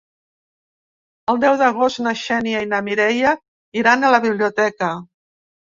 El deu d'agost na Xènia i na Mireia iran a la biblioteca.